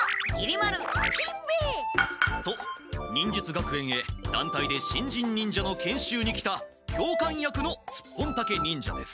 と忍術学園へだんたいで新人忍者の研修に来たきょうかん役のスッポンタケ忍者です。